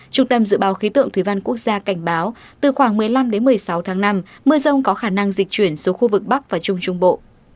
trung tâm dự báo khí tượng thủy văn quốc gia cảnh báo từ khoảng một mươi năm đến một mươi sáu tháng năm mưa rông có khả năng dịch chuyển xuống khu vực bắc và trung trung bộ